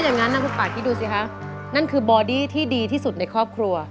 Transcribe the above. นั่นคือบอดี้ที่ดีที่สุดในครอบครัว